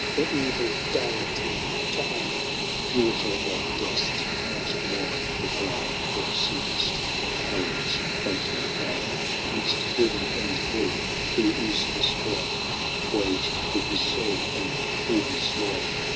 The Evil Deity to own,^ Daughter of dust I not mine the power Thou seek'st on Harold's fatal hour. *Twizt heaven and hell there is a strife Waged for his soul and for his life.